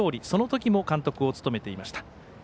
そのときも監督を務めていました。